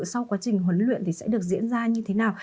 sau quá trình huấn luyện thì sẽ được diễn ra như thế nào